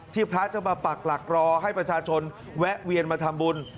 พระจะมาปักหลักรอให้ประชาชนแวะเวียนมาทำบุญ